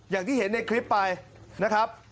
อย่างที่เห็นในคลิปไปนะครับ